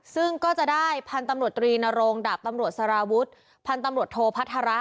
ซึ่งก็จะได้พันธุรกษิณรีนโรงดับตำรวจสารวุฒิพันธุรกษิณโทภัทระ